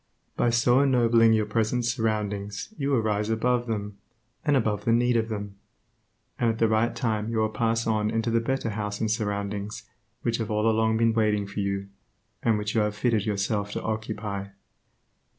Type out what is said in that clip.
By so ennobling your present surroundings you will rise above them, and above the need of them, and at the right time you will pass on into the better house and surroundings which have all along been waiting for you, and which you have fitted yourself to occupy.